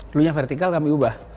dulu nya vertikal kami ubah